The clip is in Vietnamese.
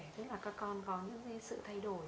thế là các con có những sự thay đổi